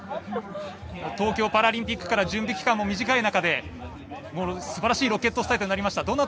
東京パラリンピックから準備期間も短い中ですばらしいロケットスタートになりました。